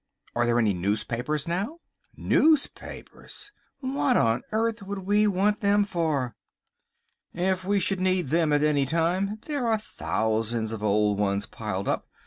"Are there any newspapers now?" "Newspapers! What on earth would we want them for? If we should need them at any time there are thousands of old ones piled up.